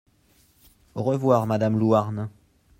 Au revoir madame Louarn.